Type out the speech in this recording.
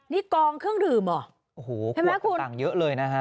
นี่กองเครื่องดื่มเหรอโอ้โหเครื่องดังเยอะเลยนะคะ